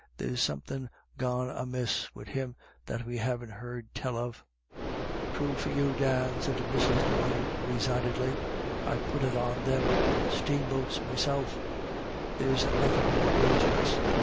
There's some thin' gone amiss wid him that we haven't heard tell of." "True for you, Dan," said Mrs. Doyne, re signedly ;" I put it on them ould steamboats meself ; there's nothin* more dangerous.